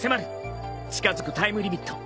近づくタイムリミット。